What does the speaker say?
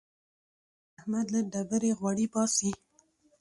احمد له ډبرې غوړي باسي.